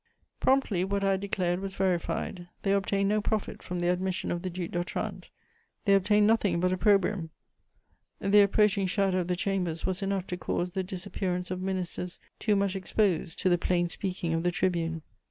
Promptly what I had declared was verified: they obtained no profit from the admission of the Duc d'Otrante, they obtained nothing but opprobrium; the approaching shadow of the Chambers was enough to cause the disappearance of ministers too much exposed to the plain speaking of the tribune.